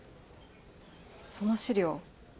その資料